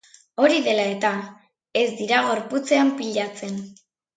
Hori dela eta, ez dira gorputzean pilatzen.